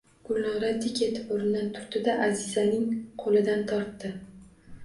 Gulnora dik etib oʼrnidan turdi-da, Аzizaning qoʼlidan tortdi: